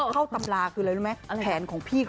เข้าตำราคืออะไรรู้ไหมแผ่นของพี่